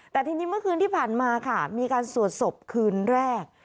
แต่ทีนี้เมื่อคืนที่ผ่านมาค่ะมีการสวดศพคืนแรก